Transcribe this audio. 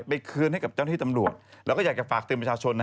ไปคืนให้กับเจ้าหน้าที่ตำรวจ